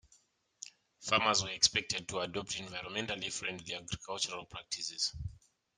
Farmers were expected to adopt environmentally friendly agricultural practices.